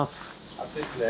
暑いっすね。